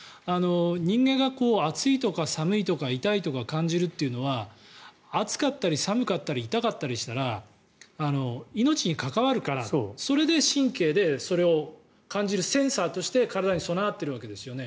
人間が暑いとか寒いとか痛いとか感じるっていうのは暑かったり、寒かったり痛かったりしたら命に関わるから、それで神経でそれを感じるセンサーとして体に備わってるわけですよね。